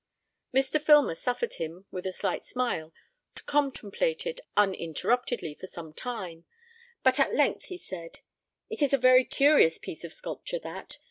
Mr. Filmer suffered him, with a slight smile, to contemplate it uninterruptedly for some time; but at length he said, "It is a very curious piece of sculpture that.